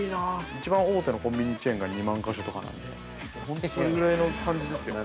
一番大手のコンビニチェーンが２万カ所とかなんで、そのぐらいの感じですよね。